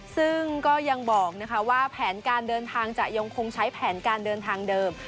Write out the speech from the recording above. ซึ่งก็ยังบอกว่าแผนการเดินทางจะยังคงใช้แผนการเดินทางเดิม